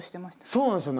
そうなんですよ。